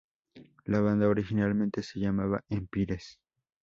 La banda originalmente se llamaba Empires.